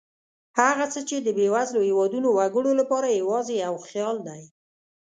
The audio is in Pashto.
هغه څه چې د بېوزلو هېوادونو وګړو لپاره یوازې یو خیال دی.